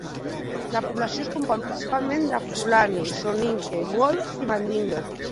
La població es compon principalment de Fulani, Soninke, Wolof i Mandingo.